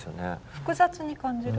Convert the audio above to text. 複雑に感じる？